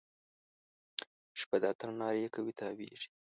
شپه د اتڼ نارې کوي تاویږي